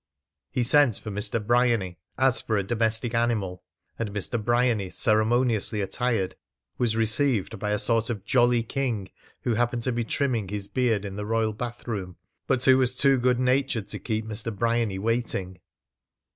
He sent for Mr. Bryany, as for a domestic animal, and Mr. Bryany, ceremoniously attired, was received by a sort of jolly king who happened to be trimming his beard in the royal bathroom, but who was too good natured to keep Mr. Bryany waiting.